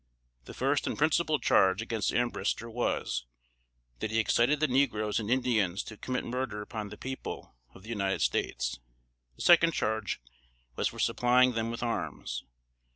The first and principal charge against Ambrister was, that he excited the negroes and Indians to commit murder upon the people of the United States; the second charge was for supplying them with arms.